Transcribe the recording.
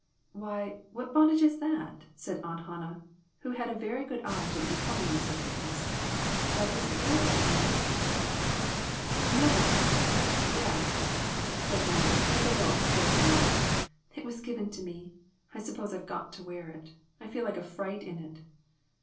"Why, what bonnet is that?" said Aunt Han nah, who had a very good eye to the becoming ness of things. "That isn't yours, is it ?" "No yes," said Mattie, with a hysterical little laugh. "It was given to me. I suppose I've got to wear it. I feel like a fright in it."